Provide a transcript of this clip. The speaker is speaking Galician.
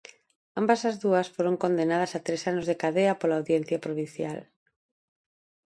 Ambas as dúas foron condenadas a tres anos de cadea pola Audiencia Provincial.